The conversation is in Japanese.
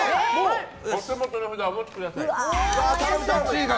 お手元の札をお持ちください。